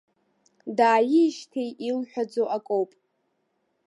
Дааижьҭеи илҳәаӡо акоуп.